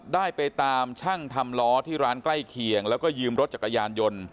ได้ไปตามช่างทำล้อที่ร้านใกล้เคียงแล้วก็ยืมรถจักรยานยนต์